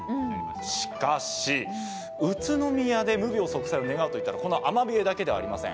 しかし、宇都宮で無病息災を願うといったらこのアマビエだけではありません。